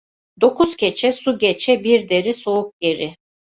Dokuz keçe, su geçe; bir deri, soğuk geri.